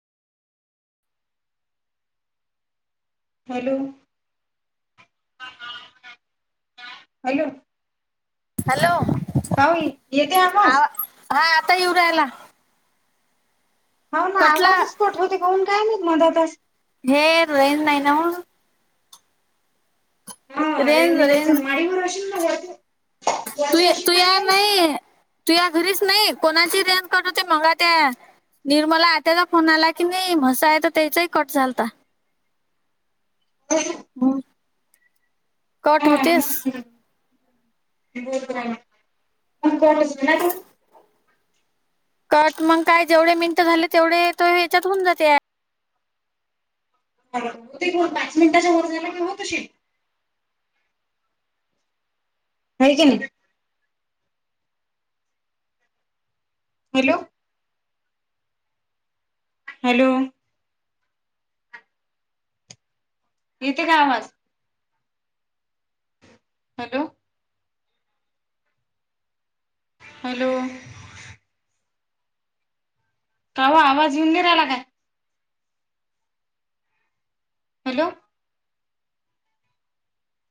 Hello hello hello काऊ येते आवाज? आवा हा आता येऊ राहिला. हो ना कटला आवाजच कट काऊन काय मधातचं हे रेंज नाही ना हो रेंज त्याच्या माळीवर असेल ना वर तु ये तू याय नाई तू या घरीच नाही कोणाची रेंज काढू ते मगा ते? निर्मला आत्याचा फोन आला की नि म्हसायचा त्ययचाही कट झालता हा कट होतेस. मी बोलत राहिलो अन कटच होई ना तो कट मं काय जेवढे मिनटं झाले तेवढे त ह्याच्यात होऊन जाते होतंय कीव पाच मिनटाच्या वर झाला की होत अशील? व्हय कि नि हॅलो. हॅलो. इथे कामच हॅलो. हॅलो. कावा आवाज येऊन नाहीे राहिला काय? हॅलो.